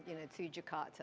kapan kamu ke jakarta